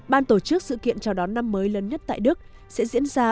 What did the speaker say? ban tổ chức sự kiện chào đón năm mới lớn nhất tại đức sẽ diễn ra